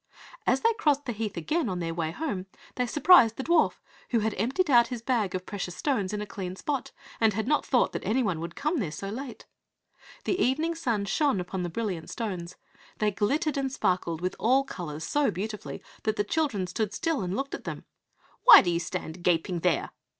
As they crossed the heath again on their way home they surprised the dwarf, who had emptied out his bag of precious stones in a clean spot, and had not thought that anyone would come there so late. The evening sun shone upon the brilliant stones; they glittered and sparkled with all colors so beautifully that the children stood still and looked at them. "Why do you stand gaping there?"